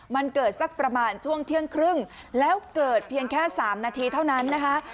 มันเกิดสักประมาณช่วงเที่ยงครึ่งแล้วเกิดเพียงแค่๓นาทีเท่านั้นนะคะ